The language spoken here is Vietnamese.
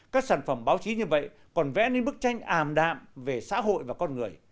các sản phẩm báo chí như vậy còn vẽ nên bức tranh àm đạm về xã hội và con người